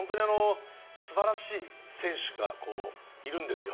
本当に素晴らしい選手がいるんですよ。